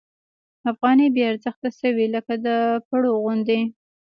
افغانۍ بې ارزښته شوې لکه د پړو غوندې.